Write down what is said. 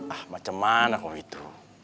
ah macem mana kau itu